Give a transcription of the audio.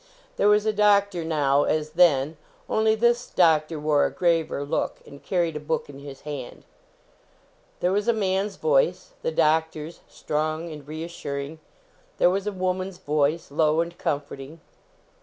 There was a doctor now, as then ; only this doctor wore a graver look, and carried a Book in his hand. There was a man s voice the doctor s, strong and reassuring. There was a woman s voice, low and comforting.